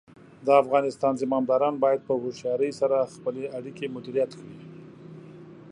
د افغانستان زمامداران باید په هوښیارۍ سره خپلې اړیکې مدیریت کړي.